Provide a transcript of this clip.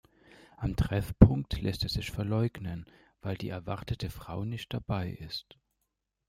Am Treffpunkt lässt er sich verleugnen, weil die erwartete Frau nicht dabei ist.